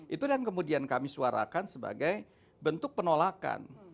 itulah yang kemudian kami suarakan sebagai bentuk penolakan